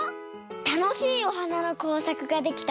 たのしいおはなのこうさくができたら。